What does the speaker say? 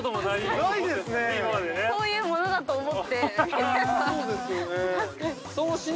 ◆そういうものだと思って。